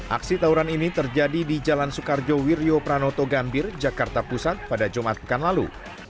aksi tawuran ini terjadi di jalan soekarjo wirjo pranoto gambir jakarta pusat pada jumat pekan lalu